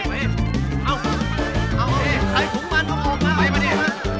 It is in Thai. แกติดสัตว์เลยเดี๋ยวยังแกตอบแม่เลย